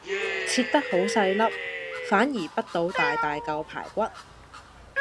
切得好細粒，反而潷到大大嚿排骨